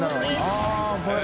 あぁこれ。